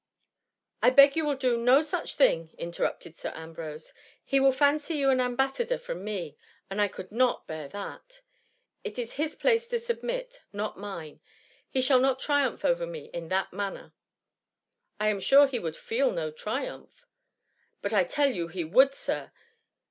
''^* I beg you will do no such thing,^ inter rupted Sir Ambrose, " he will fancy you an ambassador from me, and I could not bear that. It is his place to submit, not mine. He shall not triumph over me in that manner." *' I am sure he would feel no triumph.'^ But I tell you he would, Sir